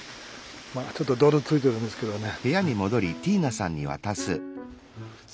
ちょっと泥ついてるんですけどね。